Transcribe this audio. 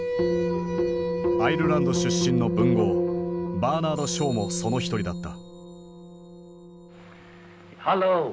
アイルランド出身の文豪バーナード・ショーもその一人だった。